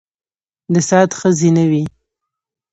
د سعد ښځې نه وې.